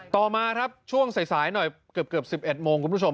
ต่อมาครับช่วงสายหน่อยเกือบ๑๑โมงคุณผู้ชม